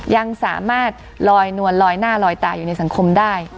ยังสามารถลอยนวลลอยหน้าลอยตาอยู่ในสังคมได้